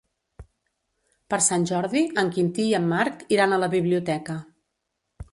Per Sant Jordi en Quintí i en Marc iran a la biblioteca.